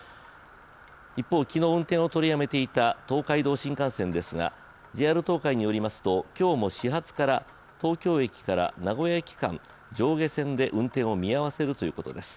一方、昨日運転を取りやめていた東海道新幹線ですがＪＲ東海によりますと今日も始発から東京駅から名古屋駅間、上下線で運転を見合わせるということです。